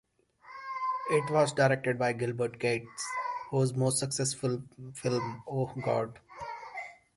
It was directed by Gilbert Cates, whose most successful film Oh, God!